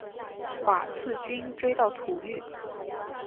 瓦剌军追到土域。